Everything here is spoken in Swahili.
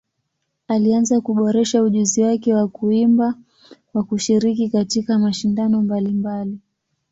Alianza kuboresha ujuzi wake wa kuimba kwa kushiriki katika mashindano mbalimbali.